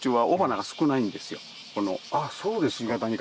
あっそうですか。